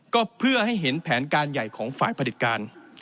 ก็เพื่อให้เห็นแผนการใหญ่ของฝ่ายผลิตการ